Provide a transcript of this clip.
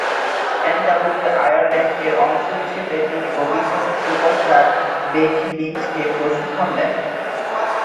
NWA Ireland এর অংশ হিসেবে তিনি ভবিষ্যৎ সুপারস্টার বেকি লিঞ্চ কে প্রশিক্ষণ দেন।